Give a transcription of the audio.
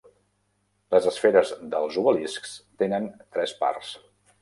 Les esferes dels obeliscs tenen tres parts.